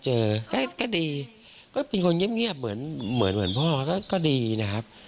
เจอครับเจอก็ดีก็เป็นคนเงียบเหมือนพ่อก็ดีนะครับ